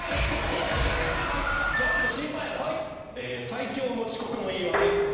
最強の遅刻の言い訳。